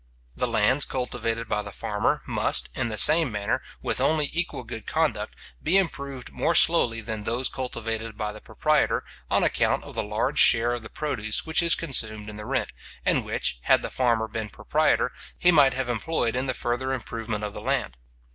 The lands cultivated by the farmer must, in the same manner, with only equal good conduct, be improved more slowly than those cultivated by the proprietor, on account of the large share of the produce which is consumed in the rent, and which, had the farmer been proprietor, he might have employed in the further improvement of the land.